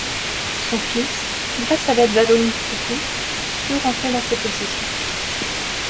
Son fils, grâce à l'aide d'Alaungsithu, put rentrer dans ses possessions.